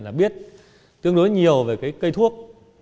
là biết tương đối nhiều về cây thuốc